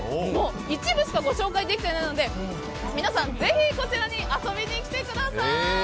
一部しかご紹介できていないので皆さん、ぜひこちらに遊びに来てください。